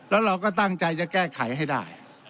แล้วเราก็ตั้งใจจะแก้ไขให้ได้